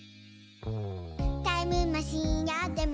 「タイムマシンあっても」